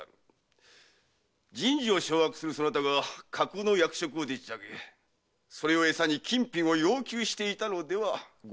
人事を掌握するそなたが架空の役職をでっち上げそれをエサに金品を要求していたのでは？